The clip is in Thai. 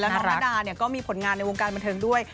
น้องระดาก็มีผลงานในวงการบันเทิงด้วย